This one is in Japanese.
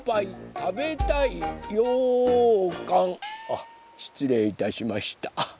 あっしつれいいたしました。